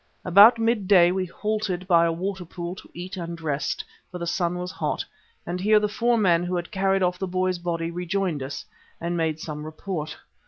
About midday we halted by a water pool to eat and rest, for the sun was hot, and here the four men who had carried off the boy's body rejoined us and made some report.